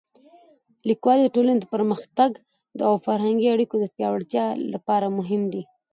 لیکوالی د ټولنې د پرمختګ او فرهنګي اړیکو د پیاوړتیا لپاره مهم دی.